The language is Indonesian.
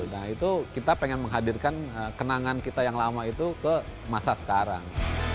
nah itu kita pengen menghadirkan kenangan kita yang lama itu ke masa sekarang